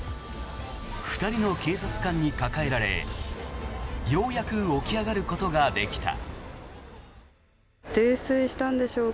２人の警察官に抱えられようやく起き上がることができた。